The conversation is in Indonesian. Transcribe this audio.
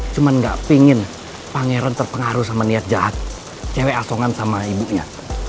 cuma gak pingin pangeran terpengaruh sama niat jahat cewek asongan sama ibunya